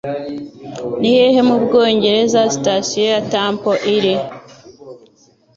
Nihehe mubwongereza sitasiyo ya Temple iri?